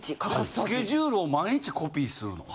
スケジュールを毎日コピーするの？